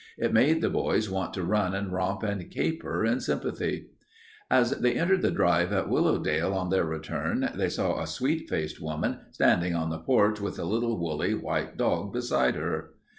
It made the boys want to run and romp and caper in sympathy. As they entered the drive at Willowdale on their return, they saw a sweet faced woman standing on the porch with a little woolly white dog beside her.